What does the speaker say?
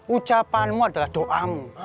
ucapanmu adalah doam